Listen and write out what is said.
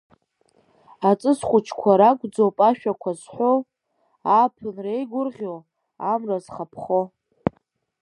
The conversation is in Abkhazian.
Аҵыс хәыҷқәа ракәӡоуп ашәақәа зҳәо, ааԥынра еигәырӷьо, амра зхаԥхо.